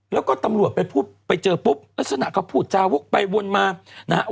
แล้วก็ตำรวจไปพูดไปเจอปุ๊บลักษณะก็พูดจาวกไปวนมานะฮะ